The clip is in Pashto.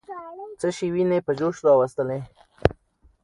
څه شی ويني په جوش راوستلې؟